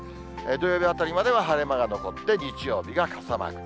土曜日あたりまでは晴れ間が残って、日曜日が傘マーク。